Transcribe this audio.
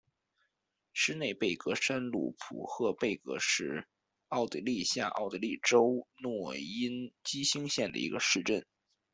施内贝格山麓普赫贝格是奥地利下奥地利州诺因基兴县的一个市镇。